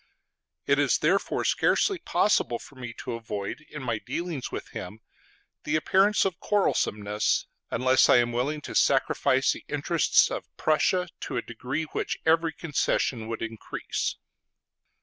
It is therefore scarcely possible for me to avoid, in my dealings with him, the appearance of quarrelsomeness, unless I am willing to sacrifice the interests of Prussia to a degree which every concession would increase....